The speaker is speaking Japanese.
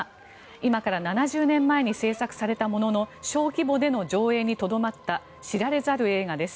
今から７０年前に制作されたものの小規模での上映にとどまった知られざる映画です。